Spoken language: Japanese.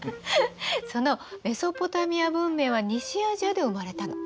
そのメソポタミア文明は西アジアで生まれたの。